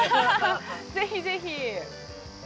◆ぜひぜひ。